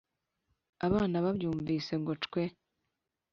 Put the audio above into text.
abana babyumvise ngo cwe